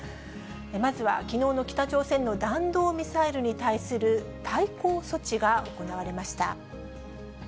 まずはきのうの北朝鮮の弾道ミサイルに対する対抗措置が行われました。